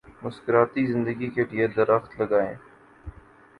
مسکراتی زندگی کے لیے درخت لگائیں۔